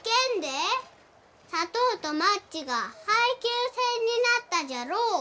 砂糖とマッチが配給制になったじゃろお。